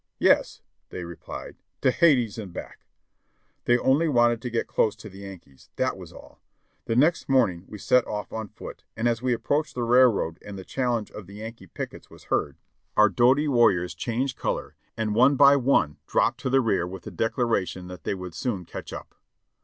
"Yes," they replied, "to Hades and back !" They only wanted to get close to the Yankees, that was all. The next morning we set ofT on foot, and as we approached the railroad and the challenge of the Yankee pickets was heard, our doughty warriors changed color, and one by one dropped to the rear with the declaration that they would soon catch up.